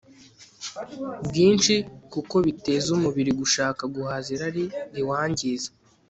bwinshi kuko biteza umubiri gushaka guhaza irari riwangiza